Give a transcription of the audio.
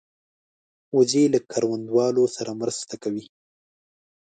وزې له کروندهوالو سره مرسته کوي